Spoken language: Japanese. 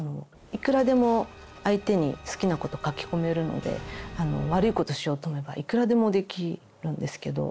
いくらでも相手に好きなこと書き込めるので悪いことしようと思えばいくらでもできるんですけど。